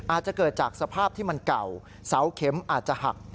อาจจะเกิดจากสภาพที่มันเก่าเสาเข็มอาจจะหัก